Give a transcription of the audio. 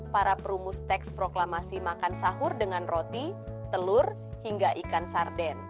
para perumus teks proklamasi makan sahur dengan roti telur hingga ikan sarden